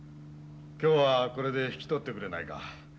今日はこれで引き取ってくれないか。